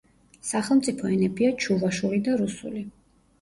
სახელმწიფო ენებია ჩუვაშური და რუსული.